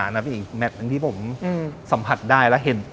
นับอีกแมทท์หนึ่งที่ผมสัมผัสได้แล้ว